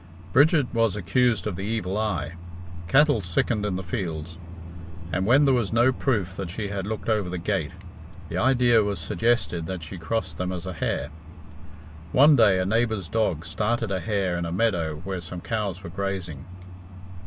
Bridget was accused of the evil eye. Cattle sickened in the fields, and when there was no proof that she had looked over the gate, the idea was suggested that she crossed them as a hare. One day a neighbour's dog started a hare in a meadow where some cows were grazing.